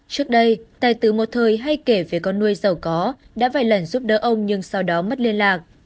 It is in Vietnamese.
trước đây tài từ một thời hay kể về con nuôi giàu có đã vài lần giúp đỡ ông nhưng sau đó mất liên lạc